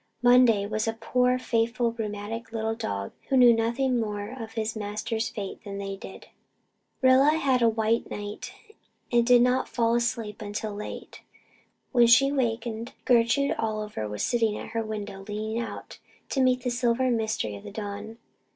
Monday was only a poor, faithful, rheumatic little dog, who knew nothing more of his master's fate than they did. Rilla had a "white night" and did not fall asleep until late. When she wakened Gertrude Oliver was sitting at her window leaning out to meet the silver mystery of the dawn.